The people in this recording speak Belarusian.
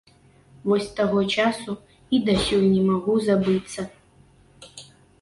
Вось з таго часу і дасюль не магу забыцца.